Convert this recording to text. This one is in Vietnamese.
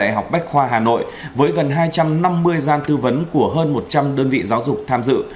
đại học bách khoa hà nội với gần hai trăm năm mươi gian tư vấn của hơn một trăm linh đơn vị giáo dục tham dự